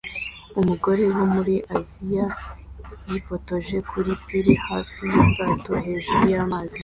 Umugore wo muri Aziya yifotoje kuri pir hafi yubwato hejuru y'amazi